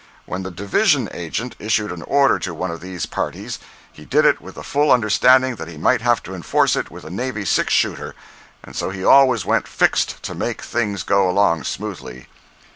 When the "division agent" issued an order to one of these parties he did it with the full understanding that he might have to enforce it with a navy six shooter, and so he always went "fixed" to make things go along smoothly.